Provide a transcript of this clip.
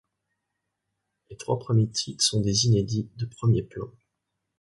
Les trois premiers titres sont des inédits de premier plan.